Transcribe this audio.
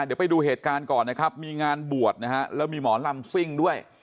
เดี๋ยวไปดูเหตุการณ์ก่อนนะครับมีงานบวชนะฮะแล้วมีหมอลำซิ่งด้วย